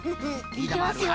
いきますよ。